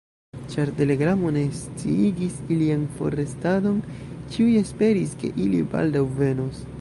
Ĉar telegramo ne sciigis ilian forrestadon, ĉiuj esperis, ke ili baldaŭ venos.